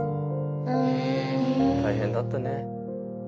大変だったね。